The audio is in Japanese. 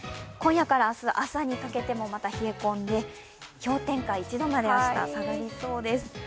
今夜から明日朝にかけてもまた冷え込んで氷点下１度まで明日は下がりそうです。